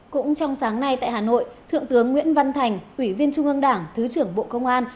cũng trong sáng nay tại hà nội thượng tướng nguyễn văn thành ủy viên trung ương đảng thứ trưởng bộ công an